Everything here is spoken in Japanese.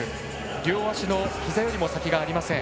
両足のひざより先がありません。